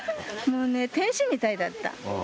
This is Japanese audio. もうね、天使みたいだった。